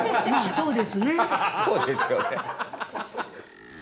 そうですよね。